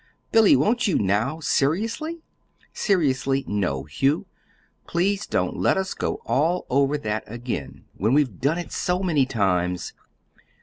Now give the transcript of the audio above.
"Billy, won't you, now seriously?" "Seriously, no, Hugh. Please don't let us go all over that again when we've done it so many times."